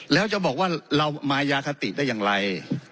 แล้วจะบอกว่าเรามายาคติได้อย่างไร